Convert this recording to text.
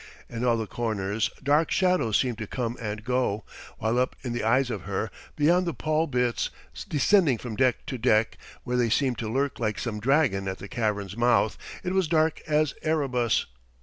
In all the corners dark shadows seemed to come and go, while up in the eyes of her, beyond the pall bits, descending from deck to deck, where they seemed to lurk like some dragon at the cavern's mouth, it was dark as Erebus.